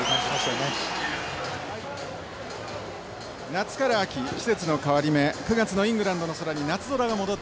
夏から秋季節の変わり目９月のイングランドの空に夏空が戻ってきました。